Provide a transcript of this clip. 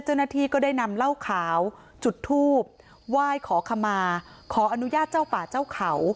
เจ้าหน้าที่ก็ได้นำเหล้าขาวจุดทูบไหว้ขอขมาขออนุญาตเจ้าป่าเจ้าเขา